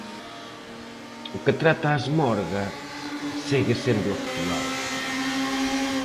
O que trata "A Esmorga" segue sendo actual.